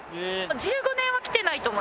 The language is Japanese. １５年は来てないと思います。